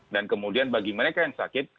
dan kemudian bagi mereka yang sakit